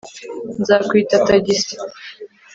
nzakwita tagisi